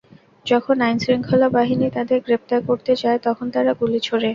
যখন আইনশৃঙ্খলা বাহিনী তাদের গ্রেপ্তার করতে যায়, তখন তারা গুলি ছোড়ে।